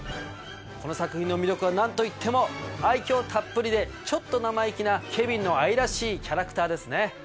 この作品の魅力は何といっても愛嬌たっぷりでちょっと生意気なケビンの愛らしいキャラクターですね。